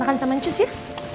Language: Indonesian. makan sama ancus ya